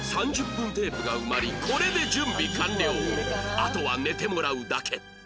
あとは寝てもらうだけ